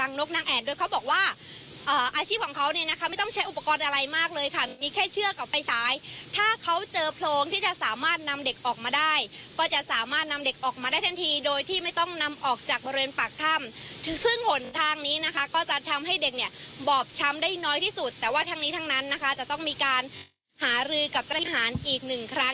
ซึ่งเขาบอกว่าอาชีพของเขาเนี่ยนะคะไม่ต้องใช้อุปกรณ์อะไรมากเลยค่ะมีแค่เชือกกับไฟฉายถ้าเขาเจอโพรงที่จะสามารถนำเด็กออกมาได้ก็จะสามารถนำเด็กออกมาได้ทันทีโดยที่ไม่ต้องนำออกจากบริเวณปากถ้ำซึ่งหนทางนี้นะคะก็จะทำให้เด็กเนี่ยบอบช้ำได้น้อยที่สุดแต่ว่าทั้งนี้ทั้งนั้นนะคะจะต้องมีการหารือกับเจ้าหน้าที่อีกหนึ่งครั้ง